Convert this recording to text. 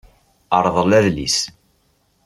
Rḍel adlis.